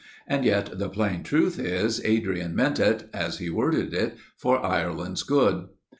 And yet the plain truth is, Adrian meant it, as he worded it, for Ireland's good.